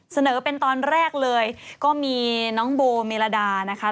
เสนอเป็นตอนแรกเลยก็มีน้องโบเมลดานะคะ